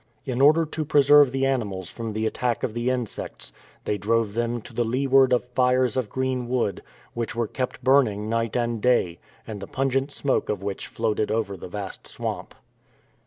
In order to preserve the animals from the attack of the insects, they drove them to the leeward of fires of green wood, which were kept burning night and day, and the pungent smoke of which floated over the vast swamp.